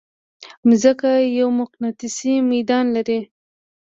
مځکه یو مقناطیسي ميدان لري.